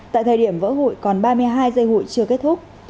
tại thời điểm vỡ hụi còn ba mươi hai giây hụi chưa kết thúc